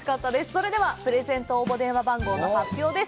それではプレゼント応募電話番号の発表です。